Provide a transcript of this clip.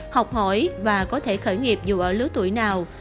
học hỏi và có thể khởi nghiệp dù ở lứa tuổi nào